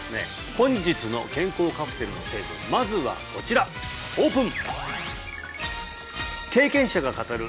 本日の健康カプセルの成分まずはこちらオープン！